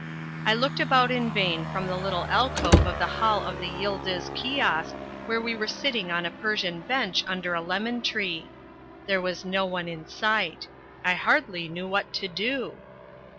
I looked about in vain from the little alcove of the hall of the Yildiz Kiosk where we were sitting on a Persian bench under a lemon tree. There was no one in sight. I hardly knew what to do.